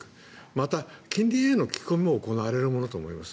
また、近隣への聞き取りも行われるものと思います。